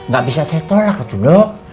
gak bisa saya tolak tuh dok